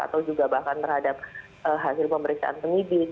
atau juga bahkan terhadap hasil pemeriksaan penyidik